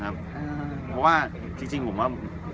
เพราะว่าจริงผมว่า